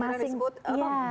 trendnya disebut apa baper